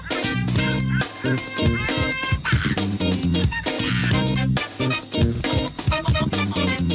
ข้าวใส่ไทยสดกว่าไทยใหม่กว่าเดิม